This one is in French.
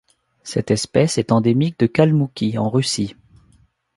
Cette espèce est endémique de Kalmoukie en Russie.